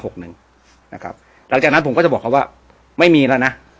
หลังจากนั้นผมก็จะบอกเขาว่าไม่มีแล้วนะ